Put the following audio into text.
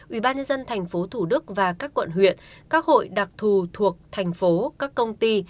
ubnd tp thủ đức và các quận huyện các hội đặc thù thuộc thành phố các công ty